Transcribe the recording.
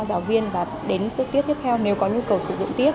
các giáo viên đến tiếp theo nếu có nhu cầu sử dụng tiếp